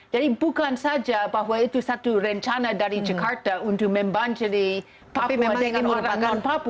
jadi bukan saja bahwa itu satu rencana dari jakarta untuk membanjiri papua dengan orang non papua